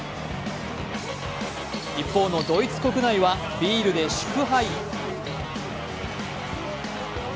一方のドイツ国内はビールで祝杯。